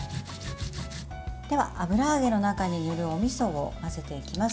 では、油揚げの中に入れるおみそを混ぜていきます。